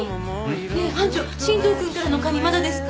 ねえ班長新藤くんからのカニまだですか？